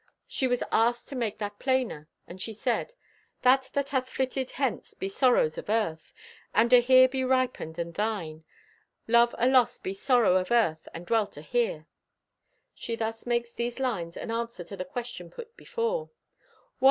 She was asked to make that plainer and she said: "That that hath flitted hence be sorrows of earth, and ahere be ripened and thine. Love alost be sorrow of earth and dwell ahere." She thus makes these lines an answer to the question put before: What!